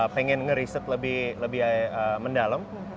pengen meriset lebih mendalam